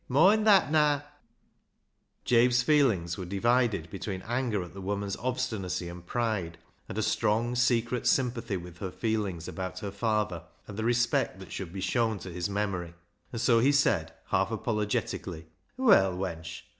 Moind that, naa !" Jabe's feelings were divided between anger at the woman's obstinacy and pride, and a strong secret sympathy with her feelings about her father, and the respect that should be shown to his memory, and so he said, half apolo getically —" Well, wench.